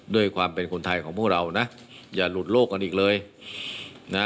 ด้วยความเป็นคนไทยของพวกเรานะอย่าหลุดโลกกันอีกเลยนะ